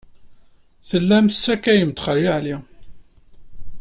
Tellam tessakayem-d Xali Ɛli.